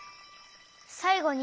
さいごに？